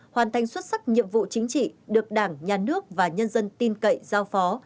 hoàn thành xuất sắc nhiệm vụ chính trị được đảng nhà nước và nhân dân tin cậy giao phó